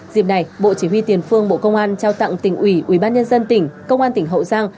dịp này bộ chỉ huy tiền phương bộ công an trao tặng tỉnh ủy ủy ban nhân dân tỉnh công an tỉnh hậu giang